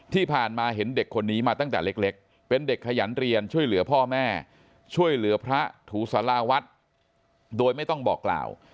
ที่ผ่านมาเห็นเด็กคนนี้มาตั้งแต่เล็กเป็นเด็กขยันเรียนช่วยเหลือพ่อแม่ช่วยเหลือพระถูสาราวัดโดยไม่ต้องบอกกล่าว